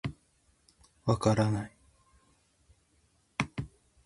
分からない。